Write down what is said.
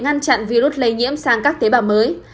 nghĩa là việc ngăn chặn virus lây nhiễm sang các tế bào mới